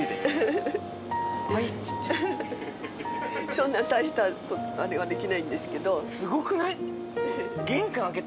そんな大したあれはできないんですけど。